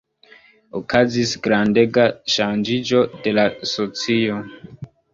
Okazis grandega ŝanĝiĝo de la socio.